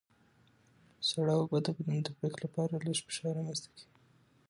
سړه اوبه د بدن د تطبیق لپاره لږ فشار رامنځته کوي.